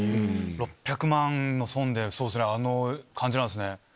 ６００万の損であの感じなんですね。